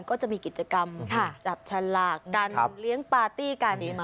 ก็จะมีกิจกรรมจับฉลากกันเลี้ยงปาร์ตี้กัน